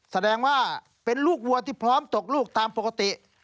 แสดงว่าเป็นลูกวัวที่พร้อมตกลูกตามปกติ